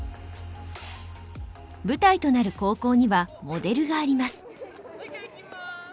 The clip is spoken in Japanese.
舞台となる高校にはモデルがあります。